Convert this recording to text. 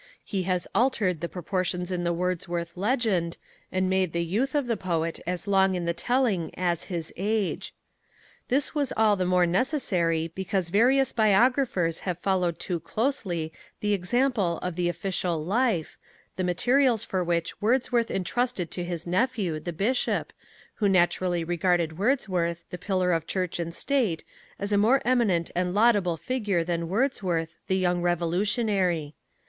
He has altered the proportions in the Wordsworth legend, and made the youth of the poet as long in the telling as his age. This was all the more necessary because various biographers have followed too closely the example of the official Life, the materials for which Wordsworth entrusted to his nephew, the Bishop, who naturally regarded Wordsworth, the pillar of Church and State, as a more eminent and laudable figure than Wordsworth, the young Revolutionary.